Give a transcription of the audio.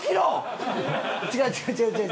違う違う違う違う！